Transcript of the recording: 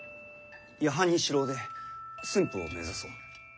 夜半に城を出駿府を目指そう。